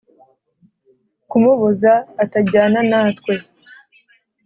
kumubuza atajyana natwe